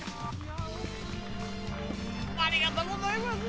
「ありがとうございます！」